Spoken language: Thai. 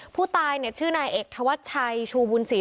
ผู้ตายเนี่ยชื่อนายเอกธวัชชัยชูบุญศรี